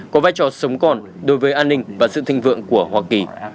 có vai trò sống còn đối với an ninh và sự thịnh vượng của hoa kỳ